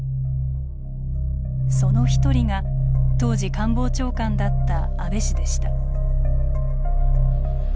その一人が当時、官房長官だった安倍氏でした。